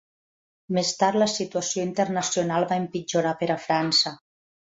Més tard la situació internacional va empitjorar per a França.